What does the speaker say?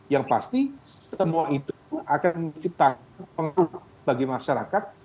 yang pasti semua itu akan menciptakan pengaruh bagi masyarakat